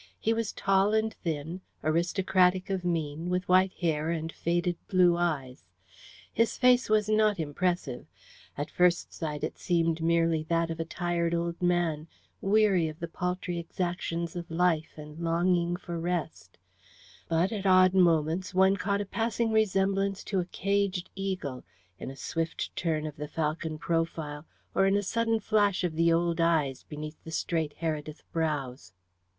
He was tall and thin, aristocratic of mien, with white hair and faded blue eyes. His face was not impressive. At first sight it seemed merely that of a tired old man, weary of the paltry exactions of life, and longing for rest; but, at odd moments, one caught a passing resemblance to a caged eagle in a swift turn of the falcon profile, or in a sudden flash of the old eyes beneath the straight Heredith brows.